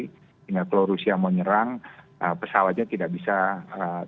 hingga kalau rusia mau nyerang pesawatnya tidak bisa menyerang